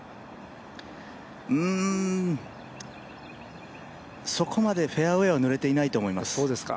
うんそこまでフェアウエーはぬれていないと思います。